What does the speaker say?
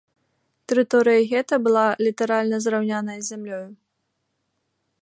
Тэрыторыя гета была літаральна зраўняная з зямлёю.